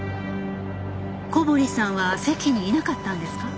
小堀さんは席にいなかったんですか？